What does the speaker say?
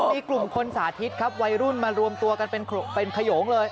มีกลุ่มคนสาธิตครับวัยรุ่นมารวมตัวกันเป็นขยงเลย